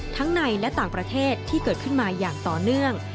ทั้งในและต่างประเทศที่เกิดขึ้นมาอย่างต่อเนื่อง